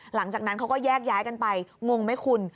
หลังจากนั้นเขาก็แยกย้ายกันไปงงไหมคุณ